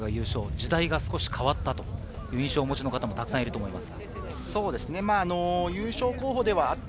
時代が少し変わったという印象を持った方も多くいると思います。